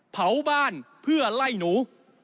เผาบ้านเพื่อไล่หนู